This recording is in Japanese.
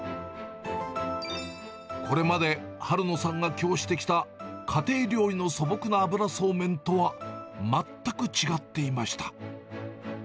これまで春野さんが供してきた家庭料理の素朴な油そうめんとは、全く違っていました。